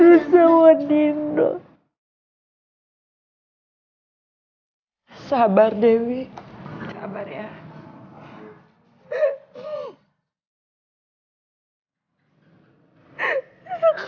assalamualaikum warahmatullahi wabarakatuh